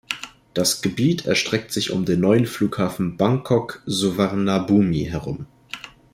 Das Gebiet erstreckt sich um den neuen Flughafen Bangkok-Suvarnabhumi herum.